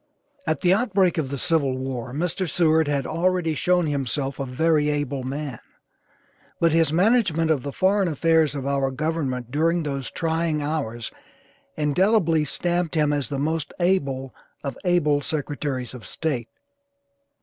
At the outbreak of the civil war Mr. Seward had already shown himself a very able man, but his management of the foreign affairs of our government during those trying hours indelibly stamped him as the most able of able Secretaries of State.